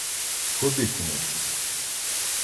- Ходи, кумочку.